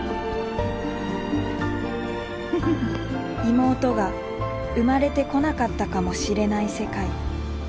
妹が生まれてこなかったかもしれない世界。